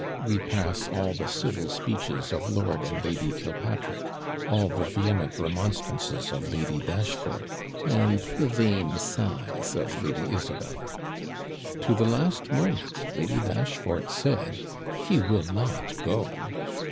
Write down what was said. We pass all the civil speeches of Lord and Lady Killpatrick; all the vehement remonstrances of Lady Dashfort; and the vain sighs of Lady Isabel, To the last moment Lady Dashfort said 'He will not go.'